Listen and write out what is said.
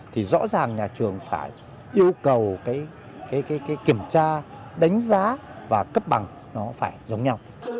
thì rõ ràng nhà trường phải yêu cầu cái kiểm tra đánh giá và cấp bằng nó phải giống nhau